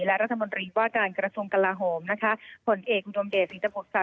และรัฐมนตรีว่าการกระทรวงกระลาโหมผลเอกอุดมเดชน์ศิษยภพศา